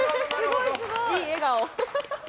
いい笑顔。